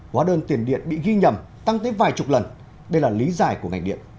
hóa đơn tiền điện bị ghi nhầm tăng tới vài chục lần đây là lý giải của ngành điện